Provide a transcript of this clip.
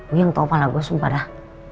uyang tau kepala gue sumpah dah